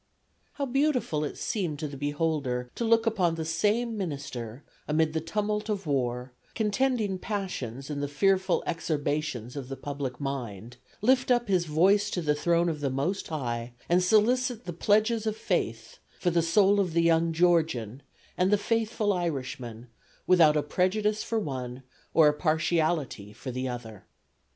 How beautiful it seemed to the beholder to look upon the same minister amid the tumult of war, contending passions and the fearful excerbations of the public mind, lift up his voice to the throne of the Most High and solicit the pledges of faith for the soul of the young Georgian, and the faithful Irishman, without a prejudice for one or a partiality for the other."